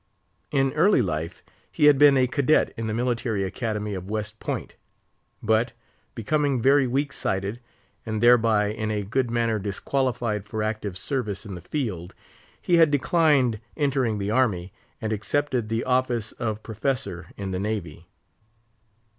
In early life he had been a cadet in the military academy of West Point; but, becoming very weak sighted, and thereby in a good manner disqualified for active service in the field, he had declined entering the army, and accepted the office of Professor in the Navy.